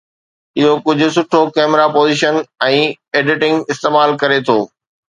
اهو ڪجهه سٺو ڪئميرا پوزيشن ۽ ايڊيٽنگ استعمال ڪري ٿو